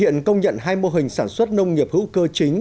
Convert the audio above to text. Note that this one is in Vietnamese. việt nam công nhận hai mô hình sản xuất nông nghiệp hữu cơ chính